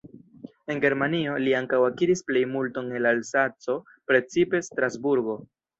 En Germanio, li ankaŭ akiris plejmulton el Alzaco, precipe Strasburgo.